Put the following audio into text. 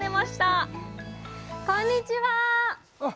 あこんにちは！